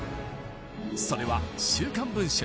それは週刊文春